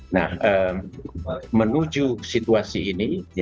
nah menuju situasi ini